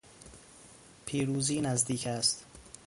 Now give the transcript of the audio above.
پیروزی نزدیک است.